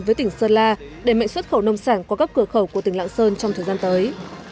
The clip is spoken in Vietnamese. với tỉnh sơn la để mệnh xuất khẩu nông sản qua các cửa khẩu của tỉnh lạng sơn trong thời gian tới